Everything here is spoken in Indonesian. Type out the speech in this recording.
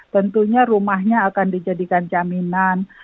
tentunya rumahnya akan dijadikan jaminan